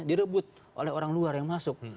direbut oleh orang luar yang masuk